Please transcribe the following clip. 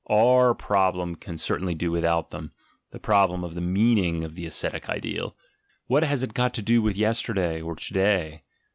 Our problem can certainly do without them, the problem of the meaning of the ascetic ideal — what has it got to do with yesterday or to day?